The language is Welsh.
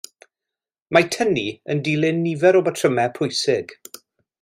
Mae tynnu yn dilyn nifer o batrymau pwysig.